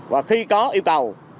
và khi có yêu cầu